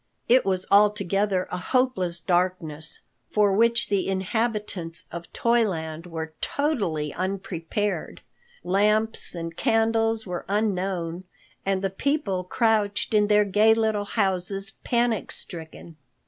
It was altogether a hopeless darkness, for which the inhabitants of Toyland were totally unprepared. Lamps and candles were unknown and the people crouched in their gay little houses panic stricken.